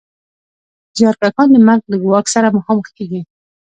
زیارکښان د مرګ له ګواښ سره مخامخ کېږي